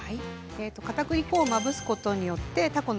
かたくり粉をまぶすことによってうん。